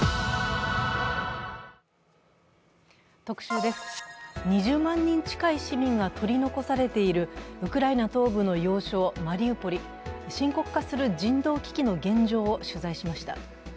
特集です、２０万人近い市民が取り残されているウクライナ東部の要衝・マリウポリ深刻化する人道危機の現状を取材しました。